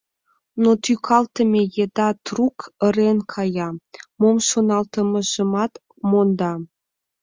Но тӱкалтыме еда трук ырен кая, мом шоналтымыжымат монда.